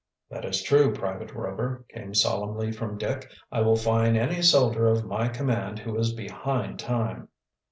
"That is true, Private Rover," came solemnly from Dick. "I will fine any soldier of my command who is behind time."